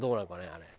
あれ。